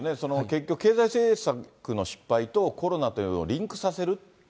結局、経済政策の失敗とコロナというのをリンクさせる。